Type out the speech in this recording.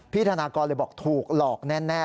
ธนากรเลยบอกถูกหลอกแน่